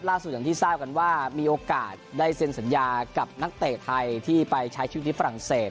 อย่างที่ทราบกันว่ามีโอกาสได้เซ็นสัญญากับนักเตะไทยที่ไปใช้ชีวิตที่ฝรั่งเศส